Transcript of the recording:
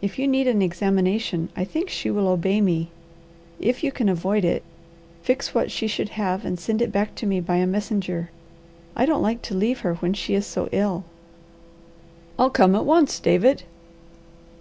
If you need an examination, I think she will obey me. If you can avoid it, fix what she should have and send it back to me by a messenger. I don't like to leave her when she is so ill." "I'll come at once, David."